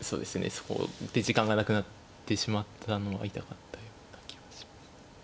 そこで時間がなくなってしまったのは痛かったような気はします。